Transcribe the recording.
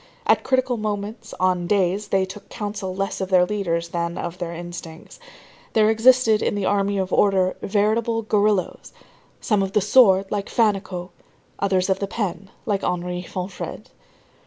At critical moments, on "days" they took counsel less of their leaders than of their instincts. There existed in the army of order, veritable guerilleros, some of the sword, like Fannicot, others of the pen, like Henri Fonfrède.